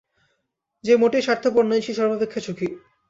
যে মোটেই স্বার্থপর নয়, সেই সর্বাপেক্ষা সুখী।